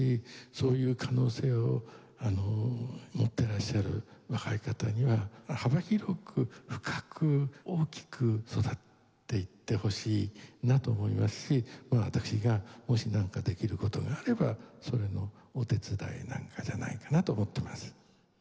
そういう可能性を持ってらっしゃる若い方には幅広く深く大きく育っていってほしいなと思いますし私がもしなんかできる事があればそれのお手伝いなんかじゃないかなと思っています。